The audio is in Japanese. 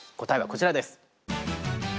答えはこちらです。